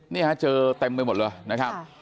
นี่ฮะเจอเต็มไปหมดเลยนะครับ